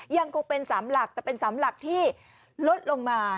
ยังคงเป็นสำหรักแต่เป็นสำหรักที่ลดลงมา